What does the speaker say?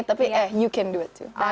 tapi eh you can do it too